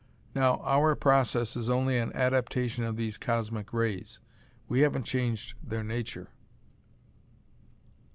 Now, our process is only an adaptation of these cosmic rays. We haven't changed their nature."